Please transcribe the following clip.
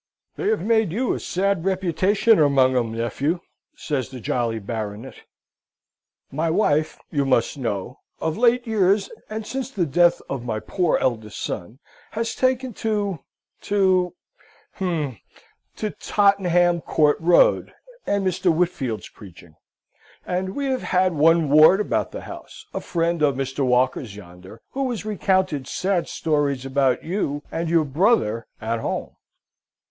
"They have made you a sad reputation among 'em, nephew!" says the jolly Baronet. "My wife, you must know, of late years, and since the death of my poor eldest son, has taken to, to, hum! to Tottenham Court Road and Mr. Whitfield's preaching: and we have had one Ward about the house, a friend of Mr. Walker's yonder, who has recounted sad stories about you and your brother at home."